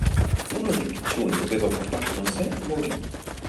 Uno dei piccioni che aveva portato con sé morì.